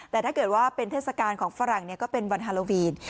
แต่ถ้าเกิดว่าเป็นเทศกาลของฝรั่งก็เป็นวันฮาโลวีน